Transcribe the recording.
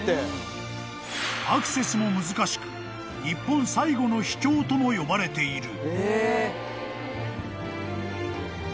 ［アクセスも難しく日本最後の秘境とも呼ばれている］